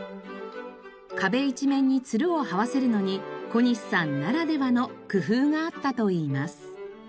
壁一面につるをはわせるのに小西さんならではの工夫があったといいます。